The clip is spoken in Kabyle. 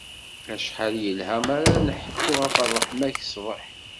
Acḥal yelha mi ara nḥekku ɣef ṛṛeḥma-k, ssbeḥ.